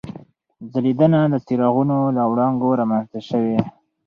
ځلېدنه د څراغونو له وړانګو رامنځته شوې.